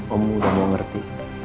om udah mau ngerti